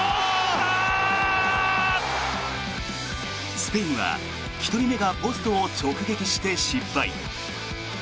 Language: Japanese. スペインは１人目がポストを直撃して失敗。